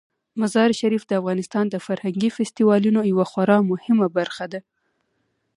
مزارشریف د افغانستان د فرهنګي فستیوالونو یوه خورا مهمه برخه ده.